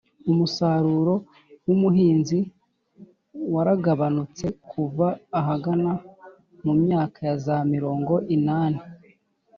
umusaruro w'ubuhinzi waragabanutse kuva ahagana mu myaka ya za mirongo inani